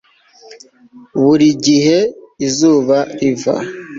buri gihe izuba riva